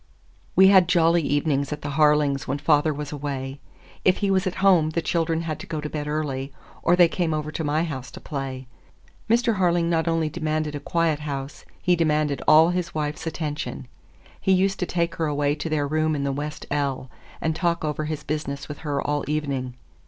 We had jolly evenings at the Harlings when the father was away. If he was at home, the children had to go to bed early, or they came over to my house to play. Mr. Harling not only demanded a quiet house, he demanded all his wife's attention. He used to take her away to their room in the west ell, and talk over his business with her all evening.